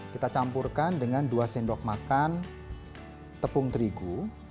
kita campurkan dengan dua sendok makan tepung terigu